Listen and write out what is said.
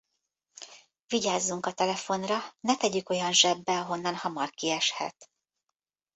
Vigyázzunk a telefonra, ne tegyük olyan zsebbe, ahonnan hamar kieshet